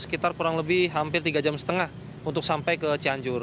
sekitar kurang lebih hampir tiga jam setengah untuk sampai ke cianjur